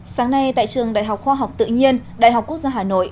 sáng nay tại trường đại học khoa học tự nhiên đại học quốc gia hà nội